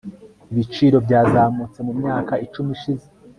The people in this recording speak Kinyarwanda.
ibiciro byazamutse mu myaka icumi ishize